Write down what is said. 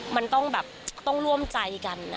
มันต้องร่วมใจกันน่ะ